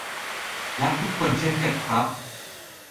และทุกคนเช่นกันครับ